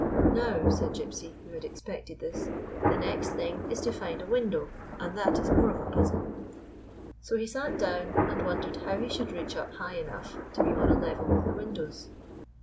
" Now," said Gypsy, who had expected this, " the next thing is to find a window, and that is more of a puzzle." So he sat down, and wondered how he should reach up high enough to be on a level with the windows.